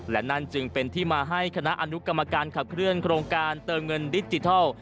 และนั่นจึงเป็นที่มาให้คณะอนุกรรมการขับเคลื่อนโครงการเติมเงินดิจิทัล